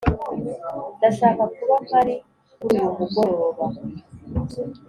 ndashaka kuba mpari kuri uyu mugoroba.